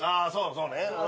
そうね。